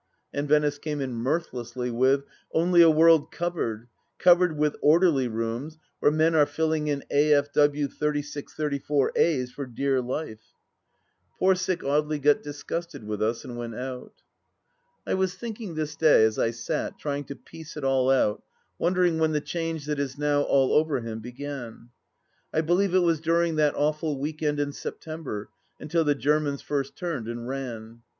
,.. And Venice came in mirthlessly with : "Only a world covered — covered with Orderly Rooms where men are filling in A.F.W. 8634a's for dear life !" Poor sick Audely got disgusted with us and went out t ... I was thinking this day as I sat, trying to piece it all out, wondering when the change that is now all over him began ? I believe it was during that awful week end in September, until the Germans first turned and ran.